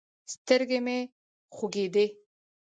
سترګې مې خوږېږي.